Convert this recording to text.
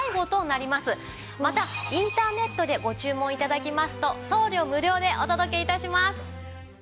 またインターネットでご注文頂きますと送料無料でお届け致します。